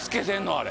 あれ。